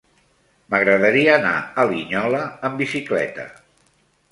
M'agradaria anar a Linyola amb bicicleta.